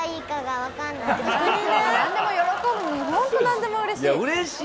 ホント何でもうれしい。